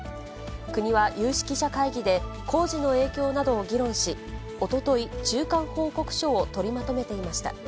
国は有識者会議で、工事の影響などを議論し、おととい、中間報告書を取りまとめていました。